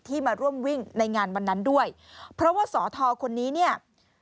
มาร่วมวิ่งในงานวันนั้นด้วยเพราะว่าสอทอคนนี้เนี่ย